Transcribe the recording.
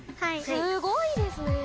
すごいですね。